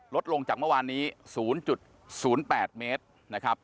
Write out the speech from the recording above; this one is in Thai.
ลดลงจากเมื่อวานนี้๐๐๘เมตรนะครับ